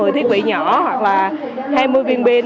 một mươi thiết bị nhỏ hoặc là hai mươi viên pin